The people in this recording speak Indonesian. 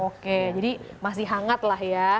oke jadi masih hangat lah ya